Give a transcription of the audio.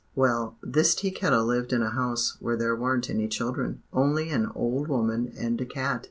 Well, this Tea Kettle lived in a house where there weren't any children, only an old woman and a cat."